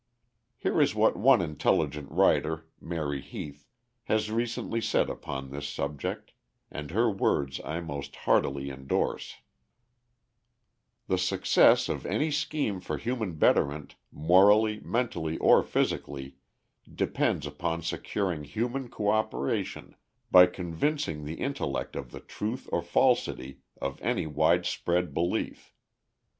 Here is what one intelligent writer, Mary Heath, has recently said upon this subject, and her words I most heartily indorse: "The success of any scheme for human betterment, morally, mentally, or physically, depends upon securing human co operation by convincing the intellect of the truth or falsity of any widespread belief.